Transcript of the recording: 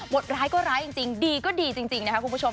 ร้ายก็ร้ายจริงดีก็ดีจริงนะคะคุณผู้ชม